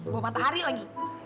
bawa matahari lagi